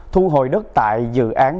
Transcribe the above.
thu hồi đất tại dự án